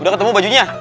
udah ketemu bajunya